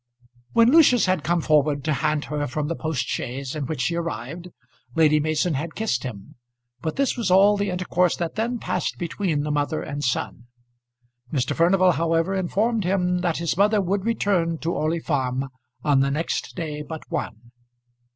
When Lucius had come forward to hand her from the post chaise in which she arrived Lady Mason had kissed him, but this was all the intercourse that then passed between the mother and son. Mr. Furnival, however, informed him that his mother would return to Orley Farm on the next day but one.